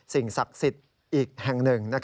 สิ่งศักดิ์สิทธิ์อีกแห่งหนึ่ง